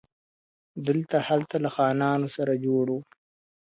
دلته هلته له خانانو سره جوړ وو.